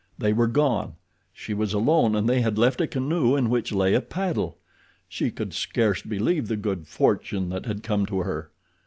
They were gone! She was alone, and they had left a canoe in which lay a paddle! She could scarce believe the good fortune that had come to her.